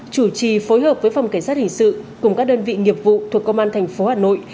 chủ trì phối hợp với phòng cảnh sát hình sự cùng các đơn vị nghiệp vụ thuộc công an thành phố hà nội